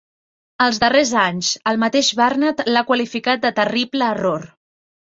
Els darrers anys, el mateix Barnett l'ha qualificat de "terrible error".